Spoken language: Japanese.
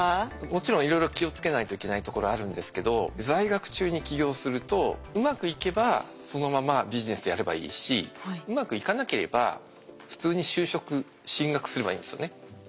もちろんいろいろ気をつけないといけないところあるんですけど在学中に起業するとうまくいけばそのままビジネスやればいいしうまくいかなければ普通に就職進学すればいいんですよね。